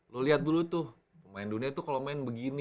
lo liat dulu tuh pemain dunia tuh kalo main begini